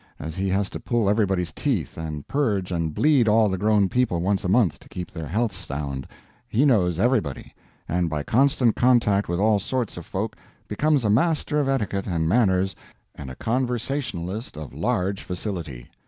As he has to pull everybody's teeth and purge and bleed all the grown people once a month to keep their health sound, he knows everybody, and by constant contact with all sorts of folk becomes a master of etiquette and manners and a conversationalist of large facility.